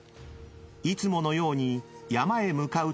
［いつものように山へ向かうと］